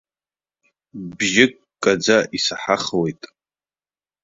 Бжьык ккаӡа исаҳахуеит.